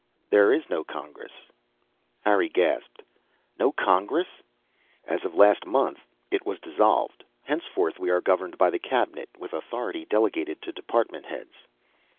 "There is no Congress." Harry gasped. "No Congress?" "As of last month. It was dissolved. Henceforth we are governed by the Cabinet, with authority delegated to department heads."